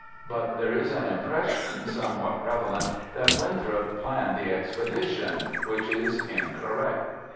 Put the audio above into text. But there is an impression somewhat prevalent that Winthrop planned the expedition, which is incorrect.